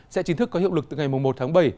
sẽ chính thức có hiệu lực từ ngày một tháng bảy